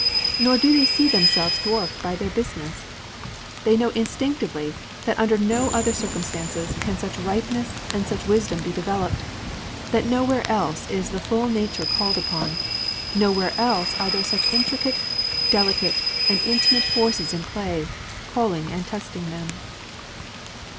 Nor do they see themselves dwarfed by their business. They know instinctively that under no other circumstances can such ripeness and such wisdom be developed, that nowhere else is the full nature called upon, nowhere else are there such intricate, delicate, and intimate forces in play, calling and testing them.